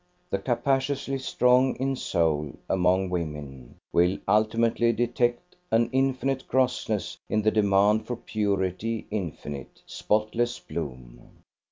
The capaciously strong in soul among women will ultimately detect an infinite grossness in the demand for purity infinite, spotless bloom.